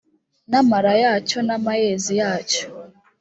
n amara yacyo n amayezi yacyo